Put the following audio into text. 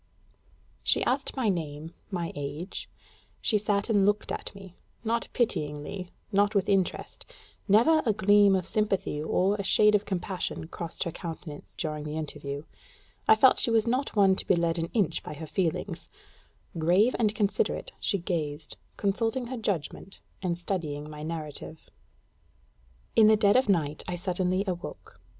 She asked my name, my age; she sat and looked at me not pityingly, not with interest: never a gleam of sympathy or a shade of compassion crossed her countenance during the interview. I felt she was not one to be led an inch by her feelings: grave and considerate, she gazed, consulting her judgment and studying my narrative.... In the dead of night I suddenly awoke.